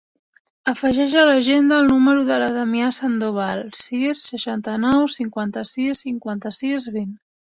Afegeix a l'agenda el número de la Damià Sandoval: sis, seixanta-nou, cinquanta-sis, cinquanta-sis, vint.